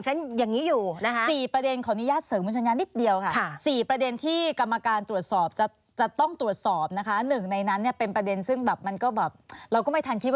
ฉันอยู่ฉันอย่างนี้อยู่ค่ะ